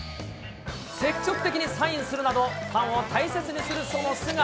積極的にサインするなど、ファンを大切にするその姿。